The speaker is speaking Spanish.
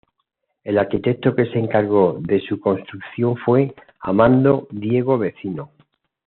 El arquitecto que se encargó de su construcción fue Amando Diego Vecino.